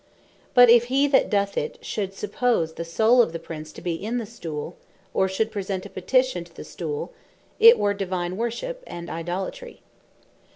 But if hee that doth it, should suppose the Soule of the Prince to be in the Stool, or should present a Petition to the Stool, it were Divine Worship, and Idolatry.